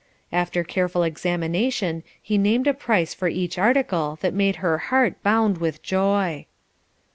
After careful examination he named a price for each article that made her heart bound with joy.